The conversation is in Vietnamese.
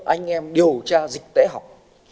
anh em điều tra dịch tễ học